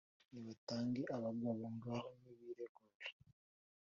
nibatange abagabo, ngaho nibiregure,